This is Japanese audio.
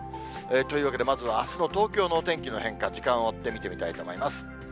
というわけでまずはあすの東京のお天気の変化、時間を追って見てみたいと思います。